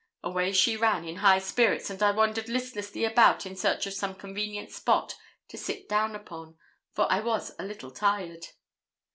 Away she ran, in high spirits, and I wandered listlessly about in search of some convenient spot to sit down upon, for I was a little tired.